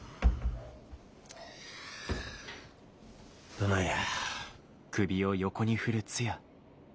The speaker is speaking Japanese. どないや。